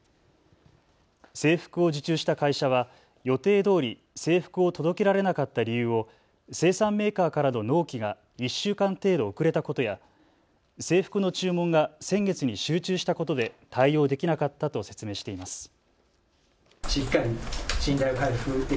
制服を受注した会社は予定どおり制服を届けられなかった理由を生産メーカーからの納期が１週間程度遅れたことや制服の注文が先月に集中したことで対応できなかったと説明しています。